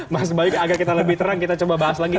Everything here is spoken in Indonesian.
mas bayu agar kita lebih terang kita coba bahas lagi